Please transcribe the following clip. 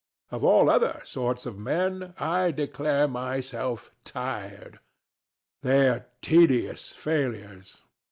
Of all other sorts of men I declare myself tired. They're tedious failures.